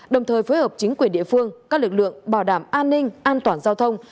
đồng thời phối hợp chính quyền địa phương các lực lượng bảo đảm an ninh an toàn giao thông